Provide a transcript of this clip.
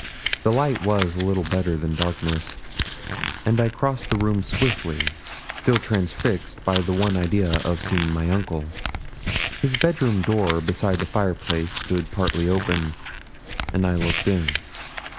The light was little better than darkness, and I crossed the room swiftly, still transfixed by the one idea of seeing my uncle. His bed room door beside the fireplace stood partly open, and I looked in.